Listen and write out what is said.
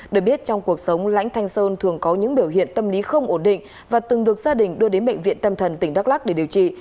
được biết trong cuộc sống lãnh thanh sơn thường có những biểu hiện tâm lý không ổn định và từng được gia đình đưa đến bệnh viện tâm thần tỉnh đắk lắc để điều trị